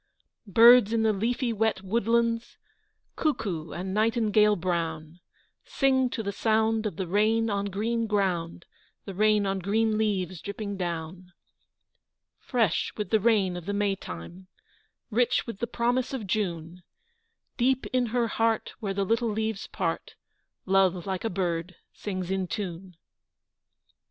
Birds in the leafy wet woodlands, Cuckoo and nightingale brown, Sing to the sound of the rain on green ground The rain on green leaves dripping down! Fresh with the rain of the May time, Rich with the promise of June, Deep in her heart, where the little leaves part, Love, like a bird, sings in tune! V.